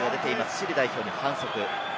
チリ代表に反則。